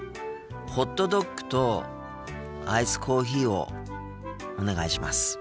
ホットドッグとアイスコーヒーをお願いします。